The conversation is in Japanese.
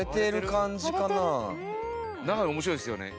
だから面白いですよね。